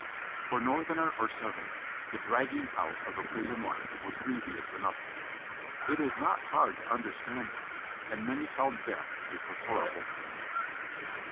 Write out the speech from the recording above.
For Northerner or Southerner the drag ging out of a prison life was grievous enough to bear. It is not hard to understand that, and many held death a preferable fate.